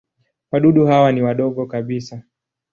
Wadudu hawa ni wadogo kabisa.